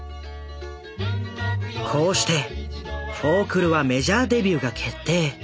こうしてフォークルはメジャーデビューが決定。